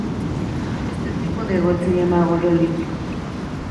Este tipo de gol se llama gol olímpico.